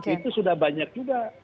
itu sudah banyak juga